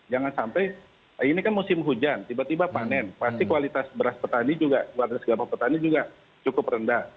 jangan sampai ini kan musim hujan tiba tiba panen pasti kualitas beras petani juga kualitas gabah petani juga cukup rendah